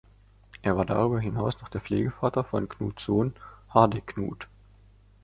Er war darüber hinaus der Pflegevater von Knuts Sohn Hardiknut.